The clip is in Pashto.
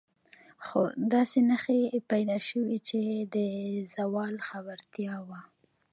خو داسې نښې پیدا شوې چې د زوال خبرتیا وه.